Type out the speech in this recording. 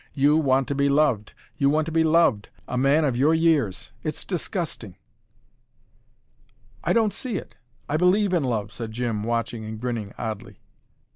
YOU WANT TO BE LOVED, you want to be loved a man of your years. It's disgusting " "I don't see it. I believe in love " said Jim, watching and grinning oddly.